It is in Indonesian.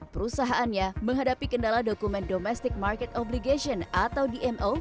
perusahaannya menghadapi kendala dokumen domestic market obligation atau dmo